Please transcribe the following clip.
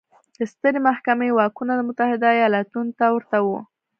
د سترې محکمې واکونه د متحده ایالتونو ته ورته وو.